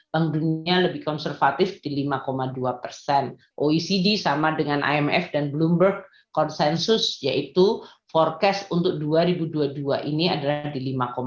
penggunanya lebih konservatif di lima dua persen oecd sama dengan imf dan bloomberg konsensus yaitu forecast untuk dua ribu dua puluh dua ini adalah di lima empat